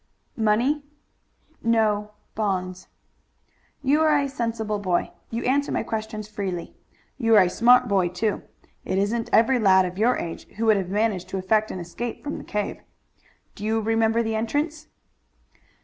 "Money?" "No, bonds." "You are a sensible boy. You answer my questions freely. You are a smart boy, too. It isn't every lad of your age who would have managed to effect an escape from the cave. Do you remember the entrance?"